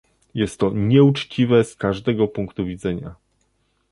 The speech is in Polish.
Jest to nieuczciwe z każdego punktu widzenia